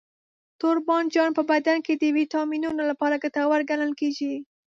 توربانجان په بدن کې د ویټامینونو لپاره ګټور ګڼل کېږي.